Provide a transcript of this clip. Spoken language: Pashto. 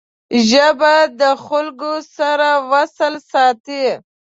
ژبه د خلګو سره وصل ساتي